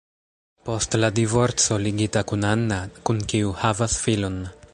Post la divorco ligita kun Anna, kun kiu havas filon.